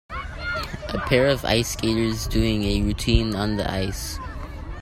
A pair of ice skaters doing a routine on the ice.